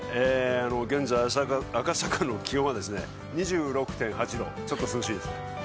現在、赤坂の気温は２６．８度ちょっと涼しいです。